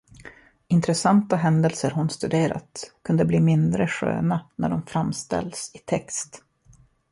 Intresssanta händelser hon studerat kunde bli mindre sköna när de framställts i text.